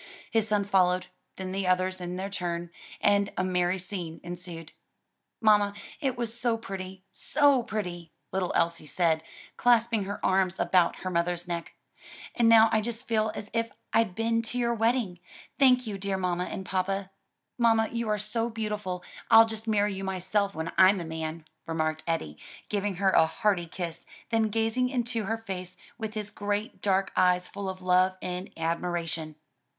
His son followed, then the others in their turn, and a merry scene ensued. "Mamma, it was so pretty, so pretty," little Elsie said, clasping her arms about her mother's neck, "and now I just feel as if I'd been to your wedding. Thank you, dear mamma and papa." "Mamma, you are so beautiful, I'll just marry you myself, when I'm a man," remarked Eddie, giving her a hearty kiss, then gazing into her face with his great dark eyes full of love and admiration.